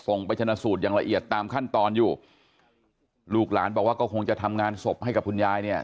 ไปชนะสูตรอย่างละเอียดตามขั้นตอนอยู่ลูกหลานบอกว่าก็คงจะทำงานศพให้กับคุณยายเนี่ย